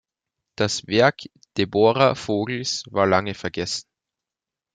Das Werk Debora Vogels war lange vergessen.